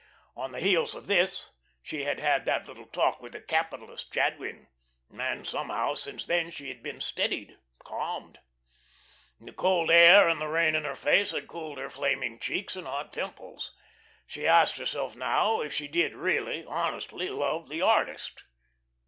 On the heels of this she had had that little talk with the capitalist Jadwin, and somehow since then she had been steadied, calmed. The cold air and the rain in her face had cooled her flaming cheeks and hot temples. She asked herself now if she did really, honestly love the artist.